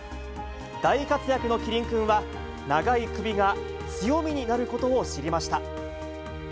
大活躍のキリンくんは、長い首が強みになることを知りました。